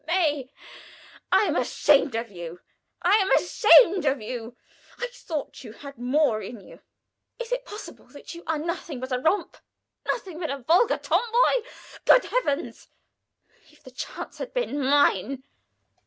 May, I am ashamed of you, I am ashamed of you! I thought you had more in you. Is it possible that you are nothing but a romp nothing but a vulgar tomboy? Good Heaven! If the chance had been mine!"